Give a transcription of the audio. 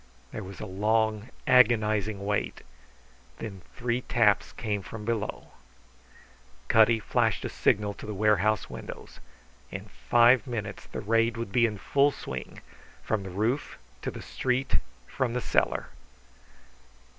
There was a long, agonizing wait. Then three taps came from below. Cutty flashed a signal to the warehouse windows. In five minutes the raid would be in full swing from the roof, from the street, from the cellar.